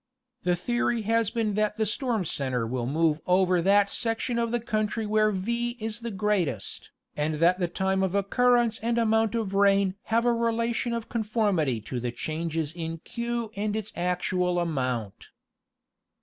The theory has been that the storm centre will move over that section of the country where V is the greatest, and that the time of occurrence and amount of rain have a relation of conformity to the changes in Q and its actual amount.